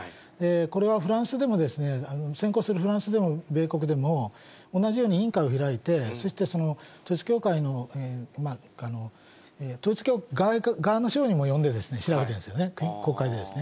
これはフランスでも、先行するフランスでも米国でも、同じように委員会を開いて、そして統一教会の、統一教会側の証人も呼んで調べてるんですよね、国会で。